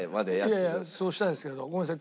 いやいやそうしたいんですけどごめんなさい。